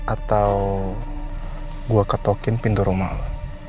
atau gue ketokin pintu rumah lah